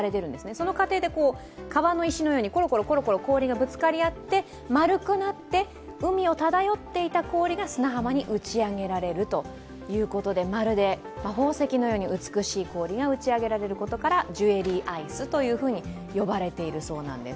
その過程で川の石のようにころころ氷がぶつかり合って海を漂っていた氷が砂浜に打ち上げられるということでまるで宝石のように美しい氷が打ち上げられることからジュエリーアイスと呼ばれているそうなんです。